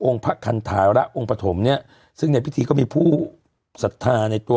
พระคันธาระองค์ปฐมเนี่ยซึ่งในพิธีก็มีผู้ศรัทธาในตัว